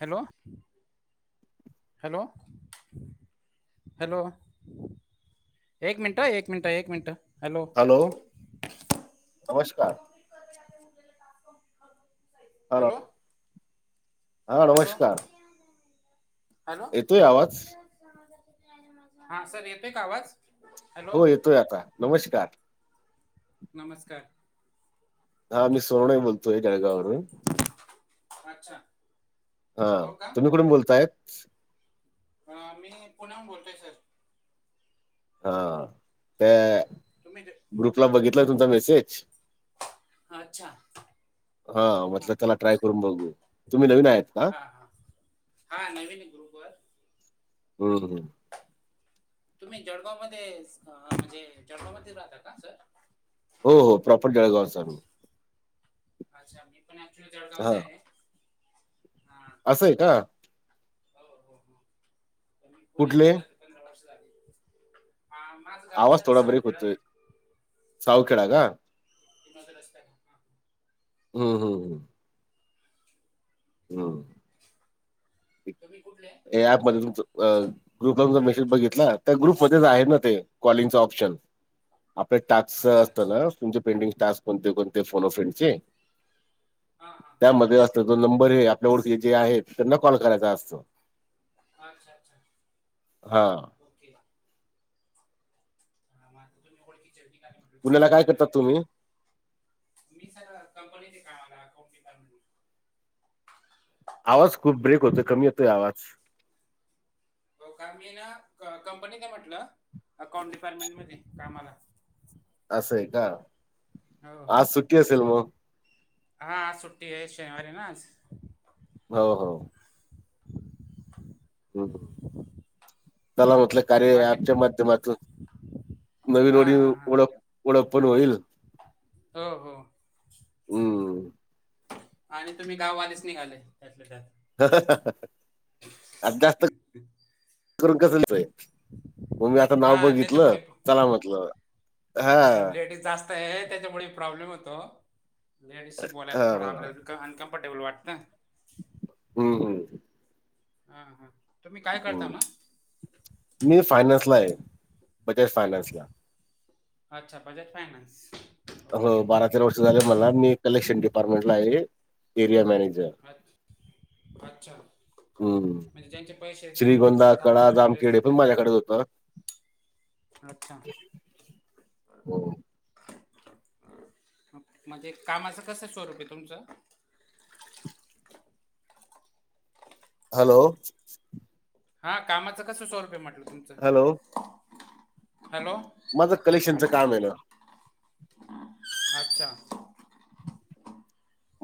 Hello! Hello! Hello! एक मिनिटं, एक मिनिटं, एक मिनिटं, हॅलो! नमस्कार. हॅलो! हा हॅलो नमस्कार. हॅलो! येतोय आवाज हा सर येतोय का आवाज? हॅलो हो येतोय आता नमस्कार. नमस्कार. हा मी सोनवणे बोलतोय जळगाववरून. अच्छा! हा हो का तुम्ही कुठून बोलताय? हा मी पुण्यावरून बोलतोय सर. हा ते. तुम्ही. ग्रुपला बघितलाय तुमचा मेसेज. अच्छा हां हा म्हटलं हां त्याला ट्राय करून हां बघू, तुम्ही नवीन आहेत का? हां हां हा नवीन आहे ग्रुप वर. हम्म हम् तुम्ही जळगाव मध्ये म्हणजे, जळगाव मध्ये राहता का सर? हो हो प्रॉपर जळगाव चा. अच्छा मी पण ऍक्च्युली हा जळगावचा आहे. हा हा असंय का. हो हो हो मी कुठले पुण्यात पंधरा वर्ष झाले. माझं गाव आवाज सर थोडा ब्रेक सावखेडा आहे. होतोय सावखेडा का? पुण्याचा रस्ता आहे हम्म हम् हम् हम्म तुम्ही कुठले ते ॲप मध्ये तुमच अ ग्रुप वरला मेसेज बघितला त्या ग्रुप मध्येच आहे ना ते कॉलिंग चा ऑप्शन आपले टाक्स अच्छा असत अच्छा ना तुमचे पेंडिंग टास्क कोणते कोणते फोन अ फ्रेंडचे हा हा हा त्यामध्ये असत जो नंबर आहे आपल्या वर्ती जे आहे त्यांना कॉल करायचा असतो अच्छा अच्छा हा ओके हा मग आता तुम्ही ओळखीच्या ठिकाणी तुम्हाला पुण्याला काय करायला करतात लागेल तुम्ही मग आता. मी कंपनीत आहे कामाला अकाउंट डिपार्टमेंट आवाज खूप ब्रेक होतोय कमी येतोय आवाज हो का मी ना कंपनीत हाय म्हंटलं अकाउंट डिपार्टमेंट मध्ये कामाला असं हे का हो हो आज सुट्टी असेल म हा आज सुट्टी आहे शनिवार हाय ना आज हो हो [inaudible] त्याला म्हटलं कार्य बाकी ऍपच्या माध्यमातून नवीन हा हा वाढीव हा ओळख ओळख पण होईल हो हो हू आणि तुम्ही गाववालेच निघाले त्यातल्या त्यात आज जास्त करून कसंलच हाय मग मी आता नाव हा बघितलं चला म्हटलं हा ह लेडीज जास्त आहे त्याच्यामुळे प्रॉब्लेम होतो लेडीजशी बोलायला हा थोडा आपल्या का अनकॉन्फर्टेबल वाटतं हू हू हा हा मी फायनान्सला आहे बजाज फायनान्सला अच्छा बजाज फायनान्स हो ओके बारा तेरा वर्ष झालेत मला मी कलेक्शन डिपार्टमेंट ला आहे एरिया मॅनेजर अच्छ अच्छा हू ज्यांचे पैसे एकदम श्रीगोंदा कळा तांबडे वगैरे जाामखेडे हे असतील पण तर माझ्याकडेच होतं अच्छा हम्म. म्हणजे कामाच कस स्वरूप हाय तुमचं हॅलो हा कामाचं कसं स्वरूप हाय म्हटलं तुमचं हॅलो हॅलो माझं कलेक्शनचं काम हाय ना अच्छा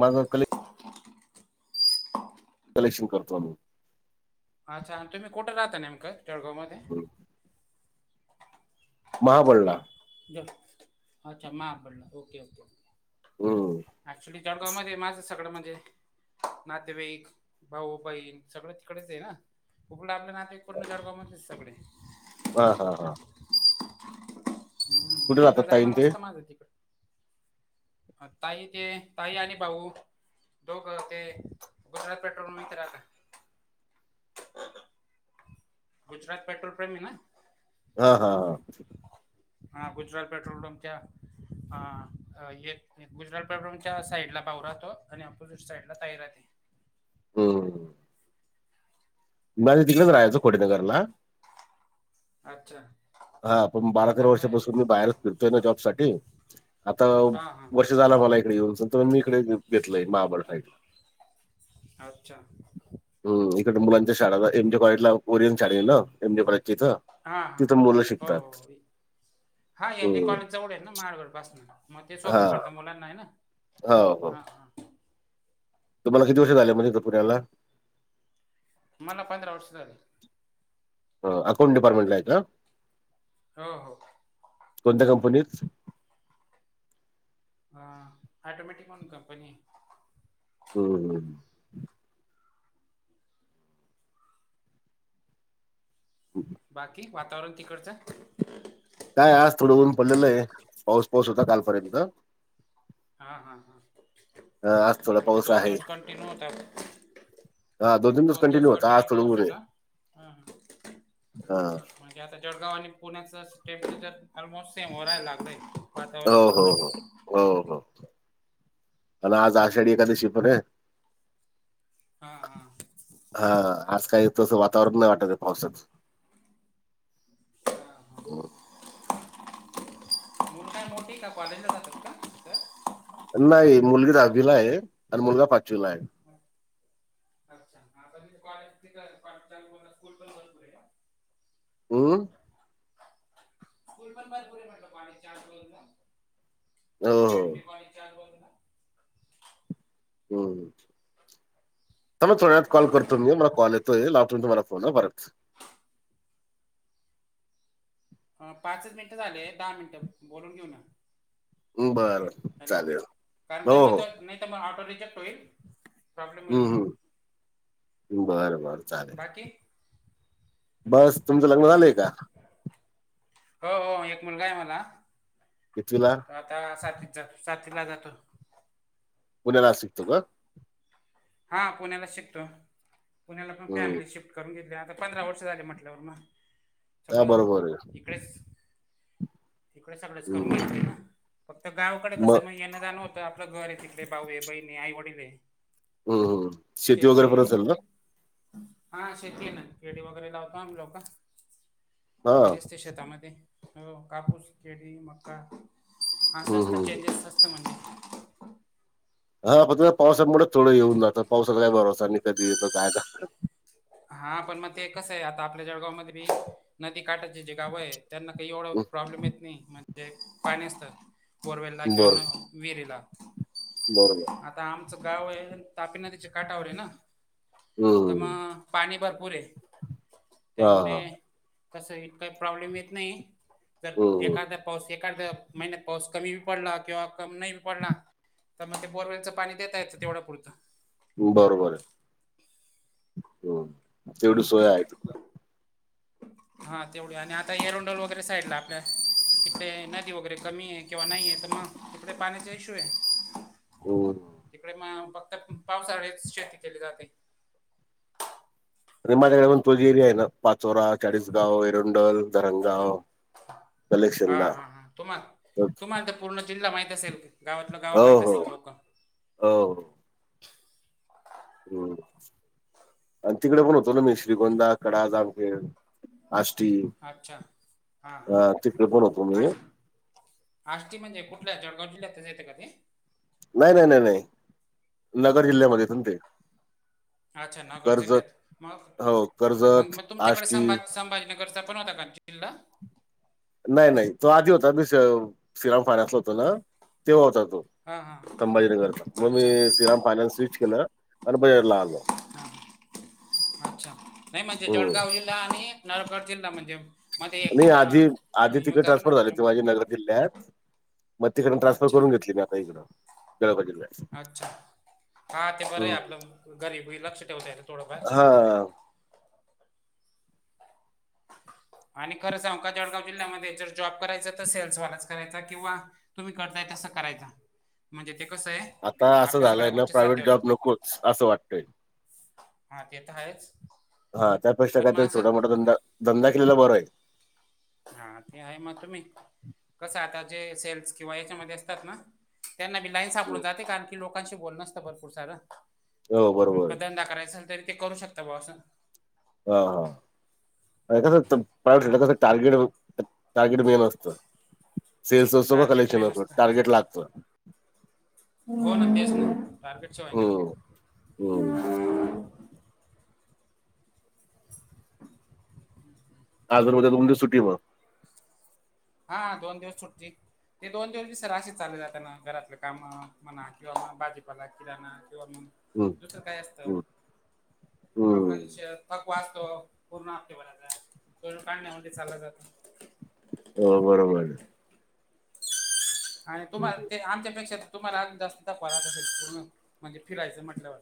माझं कले कलेक्शन करतो आम्ही अच्छा आणि तुम्ही कुठं राहता नेमकं जळगाव मध्ये हम्म. महाबळला अच्छा महाबळला ओके ओके हू ऍक्च्युली जळगाव मध्ये माझं सगळ म्हणजे नातेवाईक भाऊ बहीण सगळं तिकडेच आहे ना. कुपड [unintelligible] आपल नातेवाईक पूर्ण जळगाव मधलेच सगळे. हा हा हा. हम् कुठे येन राहतात जाण ताईन ते असत माझ तिकड. [unintelligible] ताई ते ताई आणि भाऊ. दोघ ते गुजरात पेट्रोल लीम इथं राहतात. गुजरात पेट्रोल पेम्प आहे ना? हा हा. हा गुजरात पेट्रोल पंपच्या हा एक गुजरात पेट्रोल च्या साईडला भाऊ राहतो आणि अपोजिट साईडला ताई राहती. हंम. [unintelligible] तिकडेच राहायचो कोडीनगरला. अच्छा. हा पण बारा तेरा चांगलं आहे रे वर्षापासून मी बाहेरच फिरतोय ना जॉब साठी. आता हा हा वर्ष झालं मला इकडे येऊन तर मी इकडे घेतलय महाबळ साईडला. अच्छा. हम् इकड मुलांच्या शाळाला एमजे कॉलेजला ओरियन शाळेन एमजी कॉलेजच्या इथं हा हा तिथं मुलं हो शिकतात. हो हा एम जे हम्म कॉलेज जवळ आहे ना महावळ पासन. म ते हा सोप पडत मुलांना हाय ना हो हो हा हा. तुम्हाला किती वर्ष झाले म तिथं पुण्याला? मला पंधरा वर्ष झाले. अकाउंट डीपार्टमेंटला आहे का? हो हो. कोणत्या कंपनीत? हा ऑटोमॅटिक म्हणून कंपनी ये. हम्म हम. ह [unintelligible] बाकी वातावरण तिकडचं? काय आज थोडं ऊन पडलेलं आहे पाऊस पाऊस होता कालपर्यंत. हा हा आज थोडा इकड बी पाऊस दोन आहे. दिवस कंटिनू होता. हा इकडं बी तीन दोन दिवस होता आज कंटिन्यू थोडं पाऊस ऊन आहे. होता हं. हा ते आता जळगाव आणि पुण्याच टेम्परेचर ऑलमोस्ट सेम होऊ राहय लागतय. हो हो हो हो हो आन आज आषाढी एखादशी पण आहे. हा हा. हा आज काही तसं वातावरण नाही वाटत हे पावसाच. हां हो [unintelligible] [unintelligible] मोठी काँलेजला जात्यात का? सर नाही मुलगी दहावीला आहे आणि मुलगा पाचवीला आहे. अच्छा आता कॉलेज सुरू पण भरपूर आहे का [unintelligible] हम स्कूल पण भरपुर म्हटल पाणी चारोजला [unintelligible] हो, हो. एमट कॉय चार बोल ना [unintelligible] हम हा, थोड्या वेळात कॉल हा. करतो मी मला कॉल येतो ल [unintelligible] करतो तुम्हाला फोन परत पाच मिनिटं झाले दहा मिनिटं बोलून घेऊ ना बर हॅलो कारण का म नाही तरला ऑटो रिजेक्ट होईल. प्रॉब्लेम होईल हम्म मग हम्म बर बर चालेल. बाकी बस तुमचं लग्न झालंय का? हो हो एक मुलगा आहे मला. कितवीला तो आता सातवी सातवीला जातो. पुण्याला शिकतो का? हा पुण्याला शिकतो पुण्याला पण हं. फॅमिली शिफ्ट करून घेतले आता पंधरा वर्ष झाले म्हटल्यावर ना हां, सगळं बरोबर आहे. इकडेच. तिकडे सगळंच करून हं. घे ना फक्त गावकडे कस मग नाही येणं जाण होत नाही आपलं घर आहे तिकले भाऊ, बहिणी, आई, वडील हं, हं. वगैरे शेती पण आहे. असेल ना? हा शेती ना फेडी वगैरे लावतो आम्ही लोक हां. असते शेतामध्ये कापूस, केळी, मक्का हं, अस्वस्थ [unintelligible] हं. अस्वस्थ म्हणजे हा प तु पावसामुळेच थोडं येऊन जातं पावसाचा काय भरोसा आणि कधीेत काय आता हा पण मग ते कसं आहे आता आपल्या जळगाव मध्ये नदी काठाची जे गावं आहे त्यांना काही एवढं हं. प्रॉब्लेम येत नाही म्हणजे पाणी असतं. बोअरवेला किंवा बरोबर, विहिरी ला बरोबर आता आमचं गाव आहे तापी नदीच्या काटावर आहे ना तर हं. मग पाणी भरपूर आहे हां, त्यामुळे हां. तसं हितं काही प्रॉब्लेम येत नाही तर हं, एखाद्या पाऊस एखाद्या महिन्यात पाऊस कमी बी पडला किंवा कमी नाही बी पडला. तर मग ते बोरवेलच पाणी देता येतं तेवढं पुुरतं. बरोबर आहे हंम. हा. हा. हा तेवढी आणि आता येरंडोल वगैरे साईडला आपल्या इकडे नदी वगैरे कमी आहे किंवा नाही आहे तर मग कडे पाणी इश्यू आहे. हं. तिकडे मग फक्त पावसाळी शेती केली जाते. आणि माझ्या जवळून तो जो एरिया आहे ना पाचोरा, चाळीसगाव, एरुंडल धरंगगाव हा हा हा तुम्हाला हो तुम्हाला त पूर्ण जिल्हा माहित असेल गावात गाव माहित असे हो लोक हो. हम्म आणि तिकडे पण होतो ना मी श्रीगोंदा, कडा, जामखेड आष्टी अच्छा हा हा अ तिकडे पण होतो हा मी अ आष्टी म्हणजे कुठल्या जळगाव जिल्ह्यात येतं का ते. नाही नाही नाही नाही नगर जिल्ह्यामध्येे येते ते. अच्छा नगर कर्जत जिल्ह्यात मग हो मग कर्जत, मग तुमच्याकडे आष्टी संभाज संभाजीनगरचा पण होता का? जिल्हा नाही नाही तो आधी होता मी श्रीराम फाण्यातला होतो ना तेव्हा होता तो. हां हां संभाजीनगरचा मग मी अच्छा हां श्रीराम पाल्यान स्विच केेलं आणि बजरला आलो. हां. अच्छा नाही म्हणजे हम्म जळगाव जिल्हा आणि नरगड जिल्हा म्हणजे मध्ये एक नाही जिल्हा आधी, अं, आधी येऊन तिकडे जातो ना ट्रान्सफर झाली हाती त्याच्यामुळे माझी नगर जिल्ह्यात. मग तिकडनं ट्रान्सफर अच्छा करून घेतली मी आता इकडं, जळगाव जिल्ह्यात. अच्छा, हा ते बरं आहे आपलं, घरीबी लक्ष ठेवता येतं थोडंफार. हा आणि खरं सांगू का, जळगाव जिल्ह्यामध्ये जर जॉब करायचा तर सेल्सवालाच करायचा, किंवा तुम्ही करताय तसं करायचा, म्हणजे ते कसंय आता असं झालंय ना प्रायव्हेट जॉब नकोच, असं वाटतंय. हा ते तर आहेच हा, त्यापेक्षा पण मग काहीतर असं छोटा मोठां धंदा, धंदा केलेला बरं आहे. हा ते आहे मग तुम्ही, कसंय आता जे सेल्स किंवा याच्यामध्ये असतात ना त्यांना बी लाईन आहे सापडून जाते कारण की लोकांशी बोलनं आसतं भरपूर सारं. हो अं बरोबर आहे धंदा करायचा झाला तरी ते करू शकता ब्वा असं. हा, म्हणजे कसं असतं, प्रायव्हेट धंदा कसं हां टार्गेट टार्गेट मेन असतं, सेल्स असो वा टार्गेट कलेक्शन मेन असो टार्गेट असतं लागतं. हो ना तेच हम्म ना, टार्गेट शिवाय नाही. हम्म हम्म आज आणि उद्या दोन दिवस सुट्टीय मग. हां दोन दिवस सुट्टी. हे दोन दोन दिवस बि सर असे चालले जाते ना, घरातलं कामं म्हणा किंवा भाजीपाला किराणा किंवा म हम्म. दुसरं काय असतं, हम्म आपण हम्म जे थकवा असतो, पूर्ण हफ्ते भराचा. भरून काढण्या मध्ये चालला जातो. हो बरोबर. आणि तुम्हाला ते, आमच्यापेक्षा आजून जास्त थकवा रात असेल पूर्ण, म्हणजे फिरायचं म्हटल्यावर.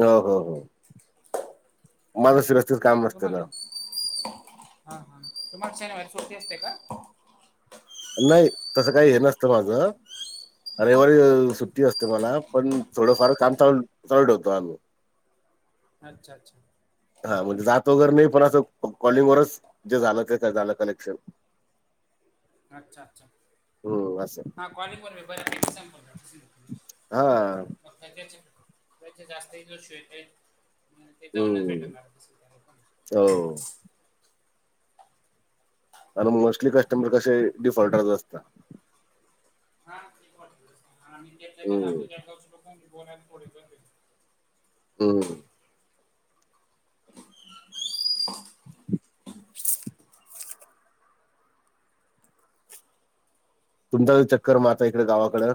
ह हो हो, मला सगळं तुम्हाला, हा हा, तुम्हाला शनिवारी सुट्टी असते का? नाही, तसं काही हे नसतं माझं रविवारी सुट्टी असते मला, पण थोडंफार काम चाल चालू ठेवतो आम्ही. [inaudible] अच्छा अच्छा. हा, म्हणजे जात वगैरे नाही पण, असं कॉलिंग वरच जे झालं ते झालं कलेक्शन. अच्छा अच्छा, हं, असं. हा कॉलींग वर बी बर्‍या पैकी संपर्क आसल हां. मग काय त्याचे, जास्त इनवेस्टमेंट आहे ते जाऊनच हं. भेटरणार तसं पण. हो. [unintelligible] आणि मोस्टली कस्टमर कसे, डिफॉल्टरच असतात. [unintelligible] हं, हां, हो. [inaudible] [inaudible] [inaudible] तुमचा कधी चक्कर मारता इकडं गावाकडं.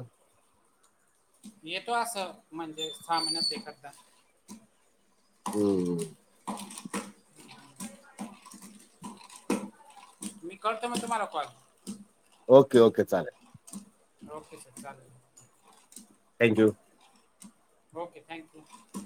येतो असं, म्हणजे सा महीन्यात न एखादा. हम्म. मी करतो मग तुम्हाला कॉल. ओके ओके चालेल. ओके सर चालेल थँक्यू ओके थँक यु